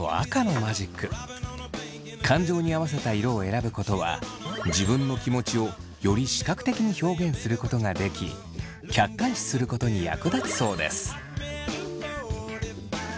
感情に合わせた色を選ぶことは自分の気持ちをより視覚的に表現することができ客観視することに役立つそうです。